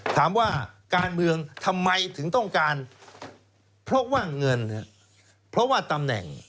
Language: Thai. ถามว่าการเมืองทำไมถึงต้องการเพราะว่าเงินเพราะว่าตำแหน่ง